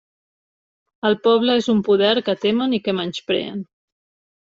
El poble és un poder que temen i que menyspreen.